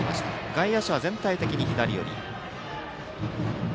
外野手は全体的に左寄り。